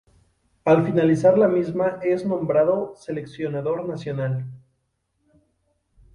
Al finalizar la misma es nombrado seleccionador nacional.